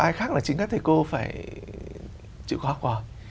cái khác là chính các thầy cô phải chịu khó học hỏi